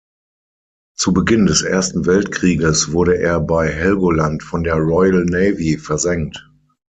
Zu Beginn des Ersten Weltkrieges wurde er bei Helgoland von der Royal Navy versenkt.